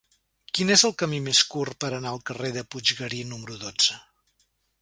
Quin és el camí més curt per anar al carrer de Puiggarí número dotze?